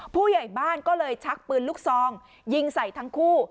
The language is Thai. ผู้ใหญ่บ้านก็เลยชักปืนลูกซองยิงใส่ทั้งคู่